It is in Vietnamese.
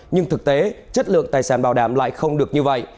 nhưng thực tế chất lượng tài sản bảo đảm lại không được như vậy